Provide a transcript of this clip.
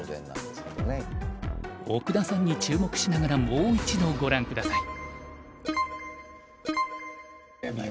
奥田さんに注目しながらもう一度ご覧下さい。